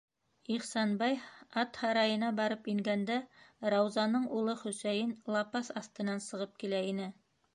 Ихсанбай ат һарайына барып ингәндә, Раузаның улы Хөсәйен лапаҫ аҫтынан сығып килә ине.